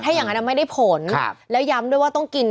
อย่างนั้นไม่ได้ผลแล้วย้ำด้วยว่าต้องกิน